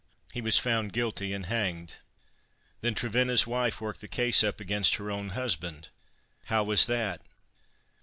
He was found guilty, and hanged." "Then Trevenna's wife worked the case up against her own husband? How was that?"